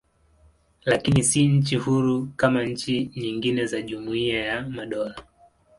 Lakini si nchi huru kama nchi nyingine za Jumuiya ya Madola.